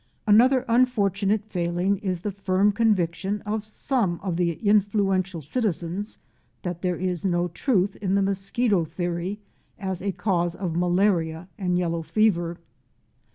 Another unfortunate failing is the firm conviction of some of the influential citizens that there is no truth in the mosquito theory as a cause of malaria and yellow fever.